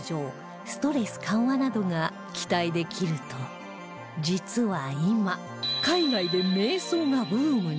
ストレス緩和などが期待できると実は今海外で瞑想がブームに